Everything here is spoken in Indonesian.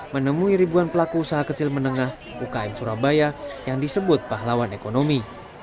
menemui ribuan pelaku usaha kecil menengah ukm surabaya yang disebut pahlawan ekonomi